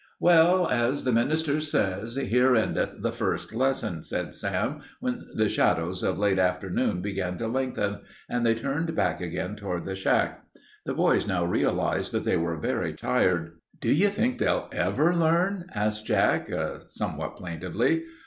"Well, as the minister says, here endeth the first lesson," said Sam when the shadows of late afternoon began to lengthen, and they turned back again toward the shack. The boys now realized that they were very tired. "Do you think they'll ever learn?" asked Jack, somewhat plaintively.